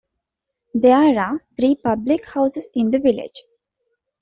There are three public houses in the village.